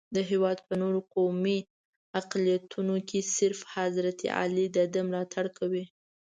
د هېواد په نورو قومي اقلیتونو کې صرف حضرت علي دده ملاتړ کوي.